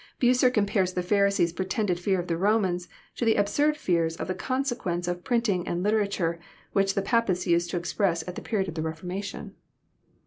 Bucer compares the Pharisees* pretended fear of the Romans to the absurd fears of the consequence of printing and literature, which the Papists used to express at the period of the Reforma tion.